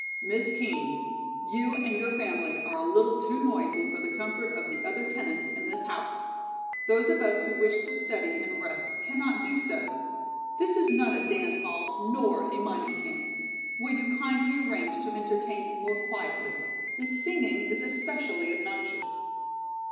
"'Miss Kean: You and your family are a little too noisy for the comfort of the other tenants in this house. Those of us who wish to study and rest cannot do so. This is not a dance hall nor a mining camp. Will you kindly arrange to entertain more quietly? The singing is especially obnoxious.